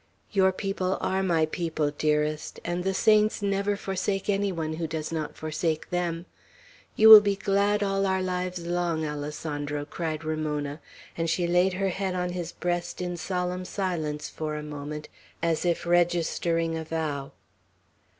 "Your people are my people, dearest; and the saints never forsake any one who does not forsake them. You will be glad all our lives long, Alessandro," cried Ramona; and she laid her head on his breast in solemn silence for a moment, as if registering a vow.